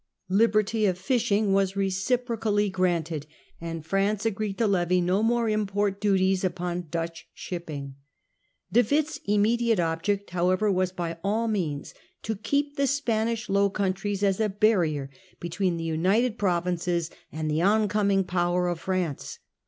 Liberty of fishing was reciprocally granted, and France agreed to levy no more import duties upon Dutch shipping. De Witt's immediate object however was by all means to keep the Spanish Low Countries as a barrier between the United Provinces and the oncoming power of France.